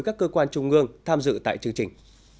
các cơ quan trung ương tham dự tại chương trình